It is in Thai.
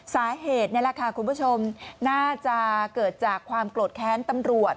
สาเหตุนี่แหละค่ะคุณผู้ชมน่าจะเกิดจากความโกรธแค้นตำรวจ